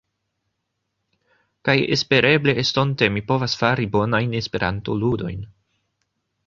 Kaj espereble estonte mi povas fari bonajn Esperantoludojn.